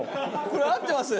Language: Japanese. これ合ってます？